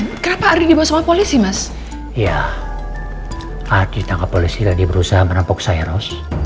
ardi kenapa ardi dibawa polisi mas iya ardi tangkap polisi tadi berusaha merampok saya ros